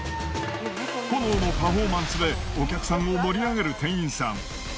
炎のパフォーマンスでお客さんを盛り上げる店員さん。